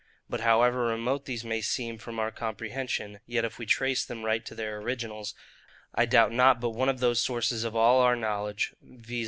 But however remote these may seem from our comprehension, yet if we trace them right to their originals, I doubt not but one of those sources of all our knowledge, viz.